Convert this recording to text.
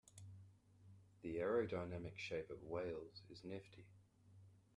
The aerodynamic shape of whales is nifty.